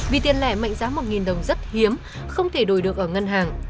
vì tiền lẻ mệnh giá một đồng rất hiếm không thể đổi được ở ngân hàng